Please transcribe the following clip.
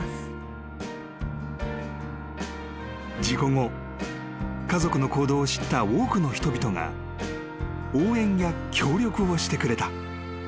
［事故後家族の行動を知った多くの人々が応援や協力をしてくれた］